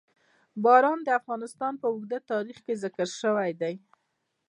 باران د افغانستان په اوږده تاریخ کې ذکر شوی دی.